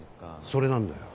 それなんだよ。